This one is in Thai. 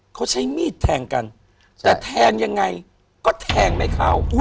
เขาใช้มีดแทงกันแต่แทงยังไงก็แทงไม่เข้า